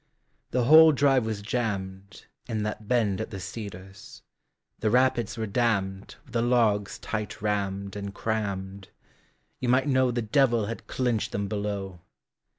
The whole drive was jammed, In that bend at the Cedars; The rapids were dammedWith the logs tight rammedAnd crammed; you might knowThe Devil had clinched them below.